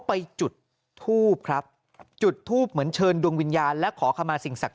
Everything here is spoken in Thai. ไปจุดทูบครับจุดทูบเหมือนเชิญดวงวิญญาณและขอคำมาสิ่งศักดิ